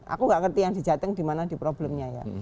aku nggak ngerti yang di jateng di mana di problemnya ya